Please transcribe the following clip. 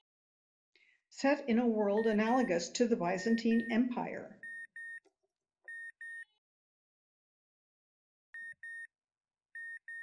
Set in a world analogous to the Byzantine Empire.